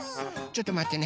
ちょっとまって。